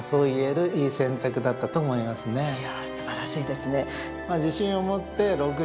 いやすばらしいですね。